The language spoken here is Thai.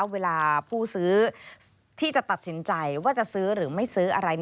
เวลาผู้ซื้อที่จะตัดสินใจว่าจะซื้อหรือไม่ซื้ออะไร